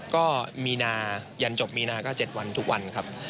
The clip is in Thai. ก็มีนายันจบมีนาก็๗วันทุกวันครับ